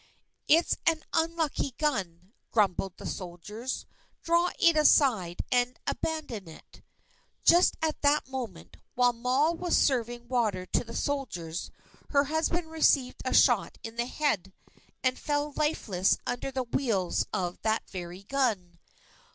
"It's an unlucky gun," grumbled the soldiers, "draw it aside and abandon it." Just at that moment, while Moll was serving water to the soldiers, her husband received a shot in the head, and fell lifeless under the wheels of that very gun.